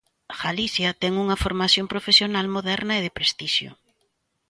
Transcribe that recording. Galicia ten unha formación profesional moderna e de prestixio.